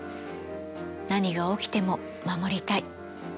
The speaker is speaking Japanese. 何が起きても守りたい。